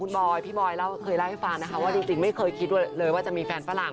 คุณบอยพี่บอยเคยเล่าให้ฟังนะคะว่าจริงไม่เคยคิดเลยว่าจะมีแฟนฝรั่ง